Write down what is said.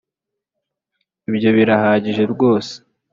ibyo birahagije ryose.